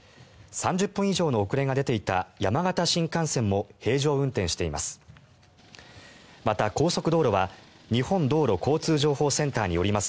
３０分以上の遅れが出ていた山形新幹線も平常運転しています。